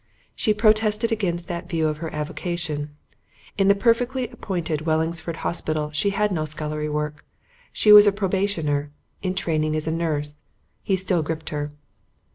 She protested against that view of her avocation. In the perfectly appointed Wellingsford Hospital she had no scullery work. She was a probationer, in training as a nurse. He still gripped her.